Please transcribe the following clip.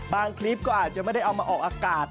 คลิปก็อาจจะไม่ได้เอามาออกอากาศ